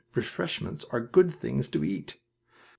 "Refreshments are good things to eat!"